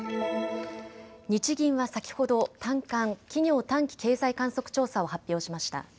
日銀は先ほど短観・企業短期経済観測調査を発表しました。